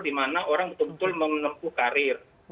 dimana orang betul betul menempuh karir